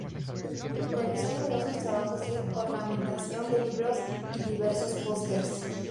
Realizó numerosos trabajos de ornamentación de libros y diseños de pósters.